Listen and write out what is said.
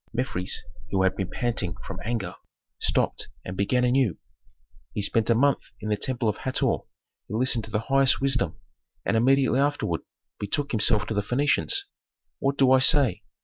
Mefres, who had been panting from anger, stopped and began anew, "He spent a month in the temple of Hator, he listened to the highest wisdom, and immediately afterward betook himself to the Phœnicians. What do I say?